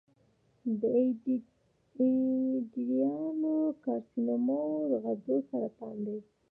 د ایڈینوکارسینوما د غدودي سرطان دی.